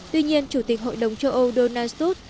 tuy nhiên chủ tịch hội đồng châu âu donald sút